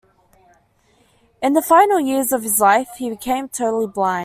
In the final years of his life, he became totally blind.